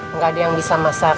nggak ada yang bisa masak